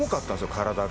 体が。